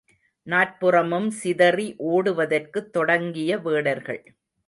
நாற்புறமும் சிதறி ஓடுவதற்குத் தொடங்கிய வேடர்கள்.